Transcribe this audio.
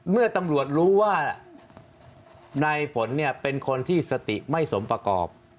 เมื่อตำรวจรู้ว่านายฝนเนี่ยเป็นคนที่สติไม่สมประกอบ